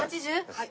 はい。